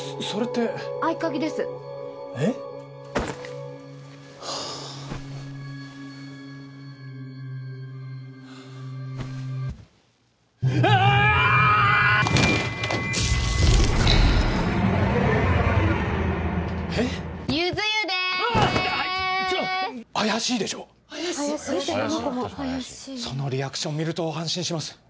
そのリアクション見ると安心します。